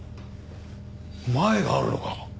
マエがあるのか。